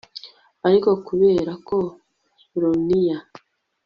Ariko kubera ko Ronnie